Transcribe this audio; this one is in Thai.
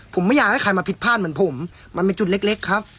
ผมไม่อยากให้ใครมาผิดพลาดเหมือนผมมันเป็นจุดเล็กครับ